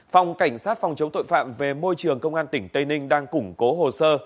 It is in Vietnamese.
phòng cảnh sát phòng chống tội phạm về môi trường công an tỉnh tây ninh đang củng cố hồ sơ